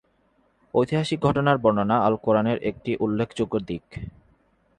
ঐতিহাসিক ঘটনার বর্ণনা আল-কুরআনের একটি উল্লেখযোগ্য দিক।